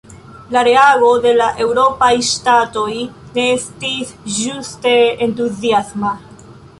La reago de la eŭropaj ŝtatoj ne estis ĝuste entuziasma.